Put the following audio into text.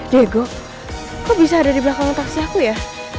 diego kok bisa ada di belakang taksi aku ya